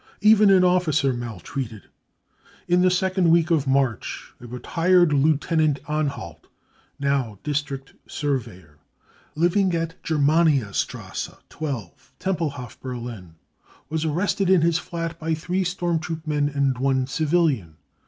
Even an Officer Maltreated. In the second week of March a retired lieutenant, Anhalt now district surveyor, living at Germaniastrasse i 2 ' I empelhof, Berlin, was arrested fn his flat by three storiiT troop men and one civilian.